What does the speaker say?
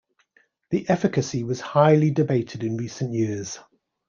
The efficacy was highly debated in recent years.